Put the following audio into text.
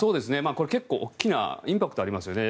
これ、結構大きなインパクトありますよね。